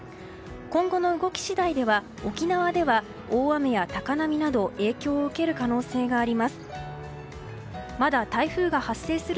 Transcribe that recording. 今後の動き次第では、沖縄では大雨や高波など影響を受ける可能性があります。